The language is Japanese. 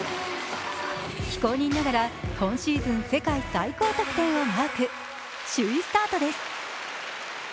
非公認ながら今シーズン世界最高得点をマーク、首位スタートです。